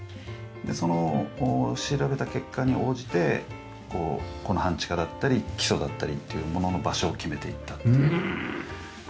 でその調べた結果に応じてこの半地下だったり基礎だったりというものの場所を決めていったっていう。